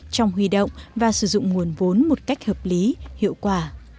trong huy động và sử dụng nguồn vốn một cách hợp lý hiệu quả